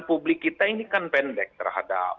publik kita ini kan pendek terhadap